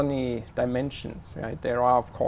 nếu các bạn chọn một công việc